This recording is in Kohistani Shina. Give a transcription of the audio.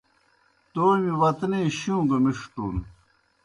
تومیْ وطنے شُوں گہ مِݜٹُن